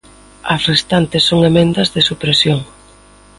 As restantes son emendas de supresión.